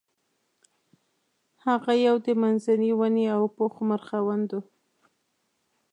هغه یو د منځني ونې او پوخ عمر خاوند و.